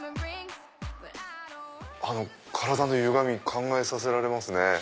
体のゆがみ考えさせられますね。